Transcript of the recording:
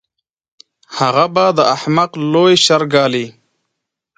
هغه به د احمق لوی شر ګالي.